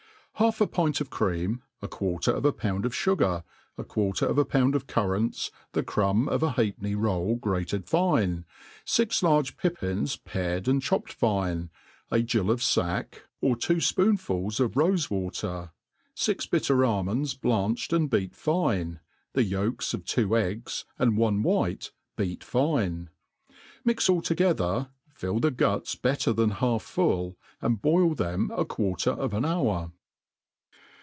* HALF a pint of cream, a quarter of a pound of fugar, a quarter of a pound of currants, the crumb of a halfpenny roll grated fine, fix large pippins pared and chopped fine, a gill of 2 fack, ds6 'f HE ART Oi COOKERY fack» or two fpoonfuls of rofe wate r, fix bitter almonds blanchr ed and beat fine, the yolks of two eggs, and one white beat fine; mix all together, fill the guts better than half fut], andf ^tl them i quarter of an hour.